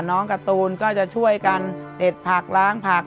น้องการ์ตูนก็จะช่วยกันเด็ดผักล้างผัก